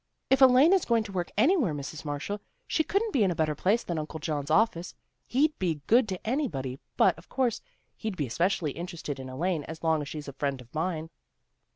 " If Elaine is going to work anywhere, Mrs. Marshall, she couldn't be in a better place than Uncle John's office. He'd be good to anybody, but, of course, he'd be especially interested in Elaine as long as she's a friend of mine."